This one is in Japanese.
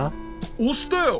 おしたよ！